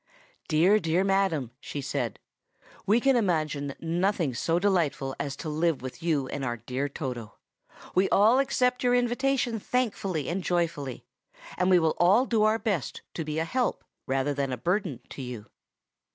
"Dear, dear madam," she said, "we can imagine nothing so delightful as to live with you and our dear Toto. We all accept your invitation thankfully and joyfully; and we will all do our best to be a help, rather than a burden, to you."